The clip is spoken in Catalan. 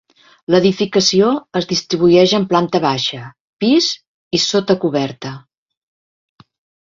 L'edificació es distribueix en planta baixa, pis i sota coberta.